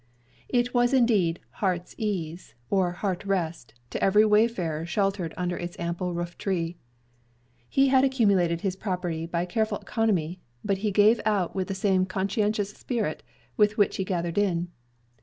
It was indeed "heart's ease," or heart rest, to every wayfarer sheltered under its ample roof tree. He had accumulated his property by careful economy, but he gave out with the same conscientious spirit with which he gathered in.